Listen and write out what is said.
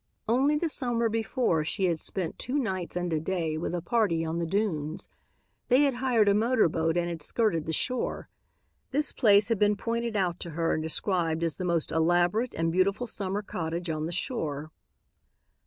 Only the summer before she had spent two nights and a day with a party on the dunes. They had hired a motor boat and had skirted the shore. This place had been pointed out to her and described as the most elaborate and beautiful summer cottage on the shore.